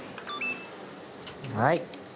はい。